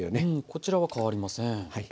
こちらは変わりません。